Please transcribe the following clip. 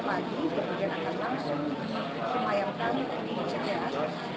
kemudian akan langsung disemayangkan di ic